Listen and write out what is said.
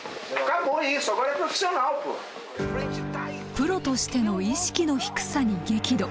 プロとしての意識の低さに激怒。